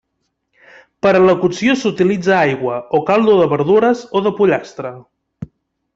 Per a la cocció s'utilitza aigua, o caldo de verdures o de pollastre.